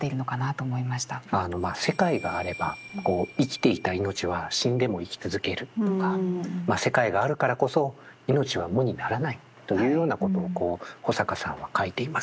世界があれば生きていた命は死んでも生きつづけるとか世界があるからこそ命は無にならないというようなことを保坂さんは書いています。